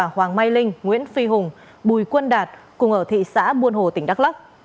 hoàng mai linh nguyễn phi hùng bùi quân đạt cùng ở thị xã buôn hồ tỉnh đắk lắc